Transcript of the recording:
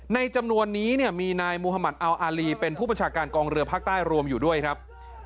จำนวนนี้เนี่ยมีนายมุธมัติอัลอารีเป็นผู้ประชาการกองเรือภาคใต้รวมอยู่ด้วยครับ